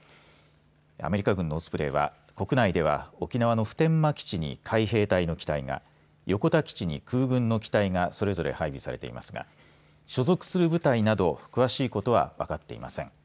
アメリカ軍のオスプレイは国内では沖縄の普天間基地に海兵隊の機体が横田基地に空軍の機体がそれぞれ配備されていますが所属する部隊など詳しいことは分かっていません。